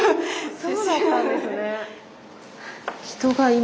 そうなんですね。